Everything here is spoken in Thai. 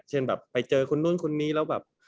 เช่นแบบไปเจอคนนู้นคนนี้แล้วแบบ